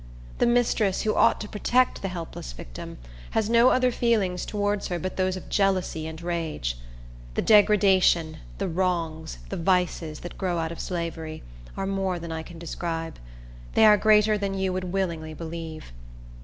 The mistress, who ought to protect the helpless victim, has no other feelings towards her but those of jealousy and rage. The degradation, the wrongs, the vices, that grow out of slavery, are more than I can describe. They are greater than you would willingly believe.